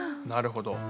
なるほど。